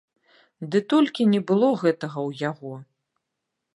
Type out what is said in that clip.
Ды толькі не было гэтага ў яго.